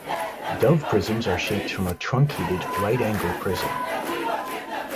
Dove prisms are shaped from a truncated right-angle prism.